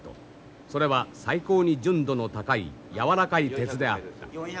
それは最高に純度の高い軟らかい鉄であった。